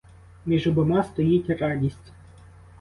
Між обома стоїть радість.